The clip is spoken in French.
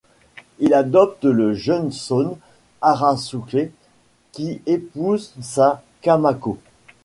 Il adopte le jeune Sone Arasuke qui épouse sa Kamako.